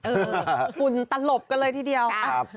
ฝุ่นตลบกันเลยทีเดียว